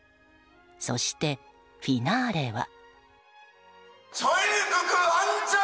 そして、フィナーレは。